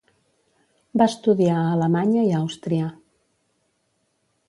Va estudiar a Alemanya i Àustria.